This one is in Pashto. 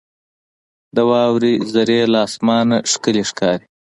• د واورې ذرې له اسمانه ښکلي ښکاري.